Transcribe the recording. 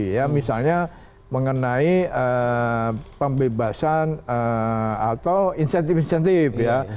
ya misalnya mengenai pembebasan atau insentif insentif ya